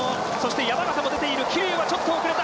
山縣も出ている！